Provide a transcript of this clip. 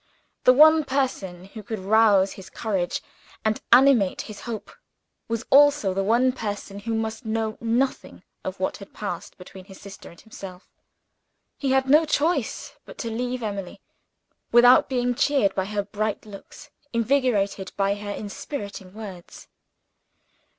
The one person who could rouse his courage and animate his hope, was also the one person who must know nothing of what had passed between his sister and himself. He had no choice but to leave Emily, without being cheered by her bright looks, invigorated by her inspiriting words.